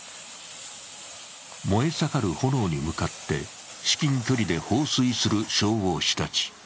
燃え盛る炎に向かって至近距離で放水する消防士たち。